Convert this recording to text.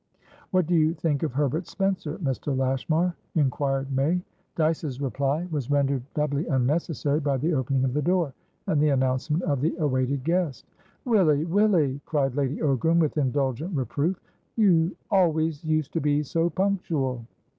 "What do you think of Herbert Spencer, Mr. Lashmar?" inquired May. Dyce's reply was rendered doubly unnecessary by the opening of the door, and the announcement of the awaited guest. "Willy! Willy!" cried Lady Ogram, with indulgent reproof. "You always used to be so punctual."